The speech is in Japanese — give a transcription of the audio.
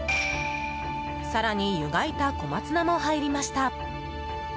更に、湯がいた小松菜も入りました。